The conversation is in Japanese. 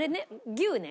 牛ね？